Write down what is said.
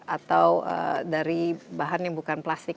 atau dari bahan yang bukan plastik